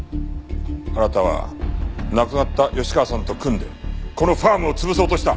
あなたは亡くなった吉川さんと組んでこのファームを潰そうとした！